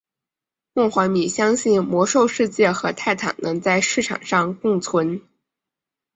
莫怀米相信魔兽世界和泰坦能在市场上共存。